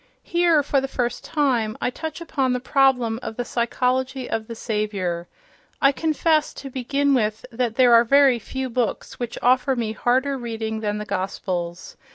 Here, for the first time, I touch upon the problem of the psychology of the Saviour.—I confess, to begin with, that there are very few books which offer me harder reading than the Gospels.